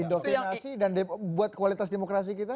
indoktrinasi dan buat kualitas demokrasi kita